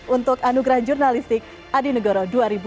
untuk anugerah jurnalistik adi negoro dua ribu dua puluh